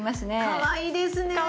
かわいいですね。